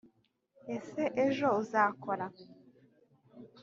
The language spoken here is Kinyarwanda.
ese ejo uzakora?